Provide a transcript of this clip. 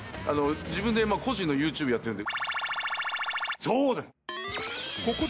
自分で個人のＹｏｕＴｕｂｅやってるんで。